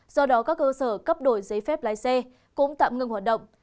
do đó các cơ sở cấp đổi giấy phép lái xe cũng tạm ngừng hoạt động